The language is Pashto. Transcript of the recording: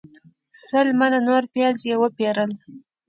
سل منه نور پیاز یې وپیرل.